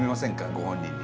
ご本人に。